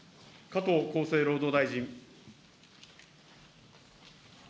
加藤厚生労働大臣。